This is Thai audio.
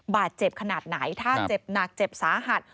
บาดเจ็บขนาดไหนถ้าเจ็บหนักเจ็บสาหัส